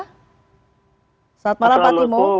selamat malam pak timo